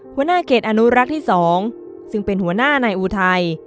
หัวหน้าเกร็ดอนุรักษ์ที่สองซึ่งเป็นหัวหน้านายอูไทย